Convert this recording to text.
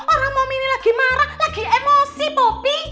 orang momi ini lagi marah lagi emosi popi